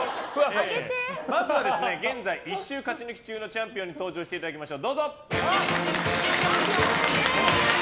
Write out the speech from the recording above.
まずは現在１週勝ち抜き中のチャンピオンに登場していただきましょう。